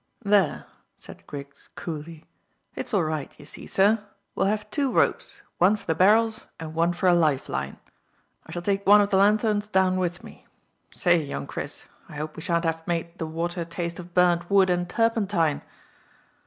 "There," said Griggs coolly, "it's all right, you see, sir. We'll have two ropes, one for the barrels and one for a life line. I shall take one of the lanthorns down with me. Say, young Chris, I hope we shan't have made the water taste of burnt wood and turpentine."